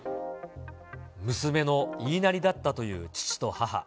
娘の言いなりだったという父と母。